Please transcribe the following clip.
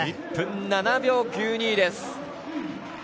１分７秒９２です。